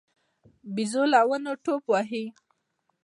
بيزو له ونو ټوپ وهي.